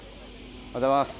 おはようございます。